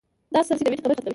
دا سبزی د وینې کمښت ختموي.